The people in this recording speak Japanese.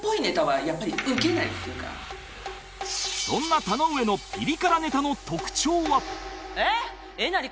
そんな田上のピリ辛ネタの特徴はえっ？